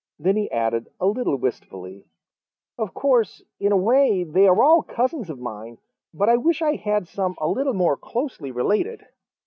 Then he added a little wistfully, "Of course, in a way they are all cousins of mine, but I wish I had some a little more closely related."